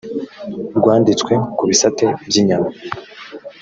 rwanditswe ku bisate by inyama